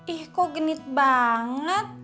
ih kok genit banget